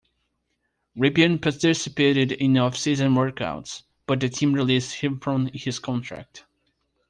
Rypien participated in offseason workouts, but the team released him from his contract.